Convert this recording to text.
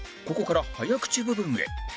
ここから早口部分へ